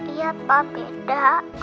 iya pak beda